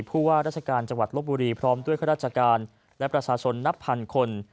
ผู้ว่าราชการจังหวัดลบบุรีพร้อมด้วยข้าราชการและประชาชนนับพันคน